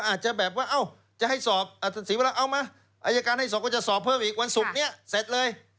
อาจจะให้สอบอัยการให้สอบอีกวันศุกร์แล้วเสร็จเลย